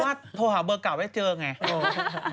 เพราะว่าโทรหาเบอร์เก่าไว้เจอไง